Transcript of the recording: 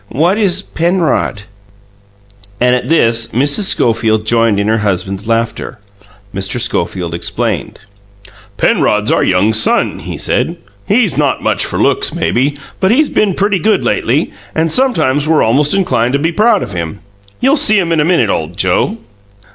"What is Penrod?" And at this, Mrs. Schofield joined in her husband's laughter. Mr. Schofield explained. "Penrod's our young son," he said. "He's not much for looks, maybe; but he's been pretty good lately, and sometimes we're almost inclined to be proud of him. You'll see him in a minute, old Joe!"